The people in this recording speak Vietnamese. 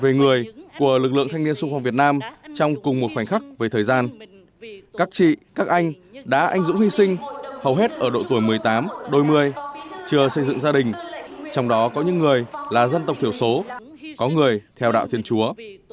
chủ tịch quốc hội nhấn mạnh sự hy sinh của sáu mươi thanh niên sung phong việt nam trong cùng một khoảnh khắc về thời gian các chị các anh đã anh dũng hy sinh hầu hết ở độ tuổi một mươi tám đôi một mươi chừa xây dựng gia đình trong đó có những người là dân tộc thiểu số có người theo đạo thiên chúa